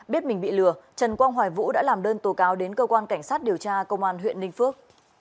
biết mình bị lừa trần quang hoài vũ đã làm đơn tố cáo đến cơ quan cảnh sát điều tra công an huyện ninh phước